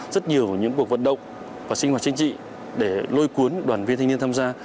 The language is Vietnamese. rất nhiều những cuộc vận động và sinh hoạt chính trị để lôi cuốn đoàn viên thanh niên tham gia